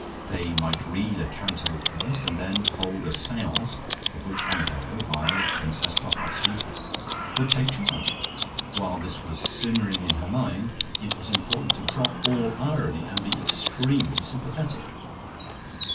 They might read a Canto first, and then hold a seance of which Amadeo via Princess Popoffski would take charge. While this was simmering in her mind, it was important to drop all irony and be extremely sympathetic.